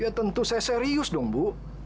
ya tentu saya serius dong bu